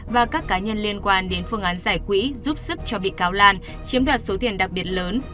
và các cá nhân liên quan đến phương án giải quỹ giúp sức cho bị cáo lan chiếm đoạt số tiền đặc biệt lớn